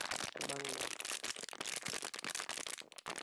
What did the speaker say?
পত্রিকাটির মালিকানা The Weekly Post, Incorporated.